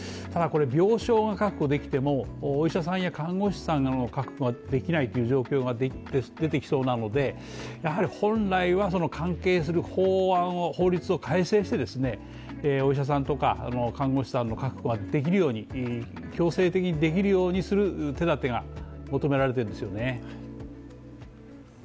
ただ、病床が確保できてもお医者さんや看護師さんの確保ができないという状況が出てきそうなので、本来は関係する法律を改正してお医者さんとか看護師さんの確保ができるように、強制的にできるようにする手だてが求められているんですよね。